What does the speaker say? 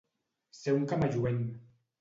Ser un camalluent.